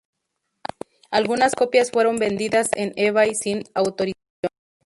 Algunas copias fueron vendidas en eBay sin autorización.